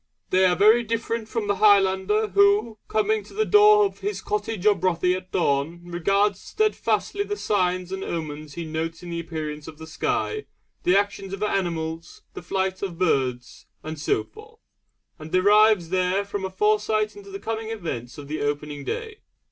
They are very different from the Highlander who, coming to the door of his cottage or bothie at dawn, regards steadfastly the signs and omens he notes in the appearance of the sky, the actions of animals, the flight of birds, and so forth, and derives there from a foresight into the coming events of the opening day.